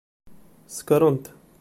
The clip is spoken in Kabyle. Ssekren-t.